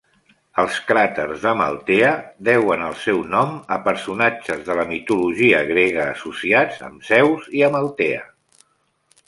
Els cràters d'Amaltea deuen el seu nom a personatges de la mitologia grega associats amb Zeus i Amaltea.